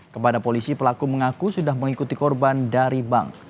kepada polisi pelaku mengaku sudah mengikuti korban dari bank